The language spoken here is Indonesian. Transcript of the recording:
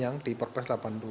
yang di perpres delapan puluh dua